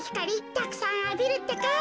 たくさんあびるってか。